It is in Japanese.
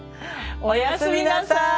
おやすみなさい。